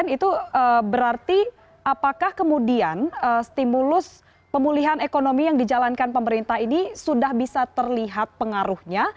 itu berarti apakah kemudian stimulus pemulihan ekonomi yang dijalankan pemerintah ini sudah bisa terlihat pengaruhnya